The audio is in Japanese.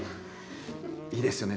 いいですよね。